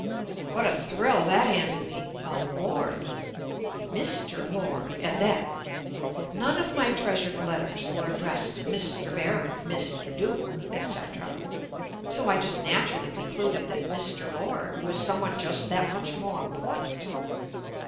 What a thrill that handed me— a "lord"— "Mr. Lord" at that. None of my treasured letters were addresed Mr. Baron, Mr. Duke, etc., so I just naturally concluded that "Mr. Lord" was some one just that much more important.